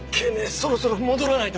そろそろ戻らないと。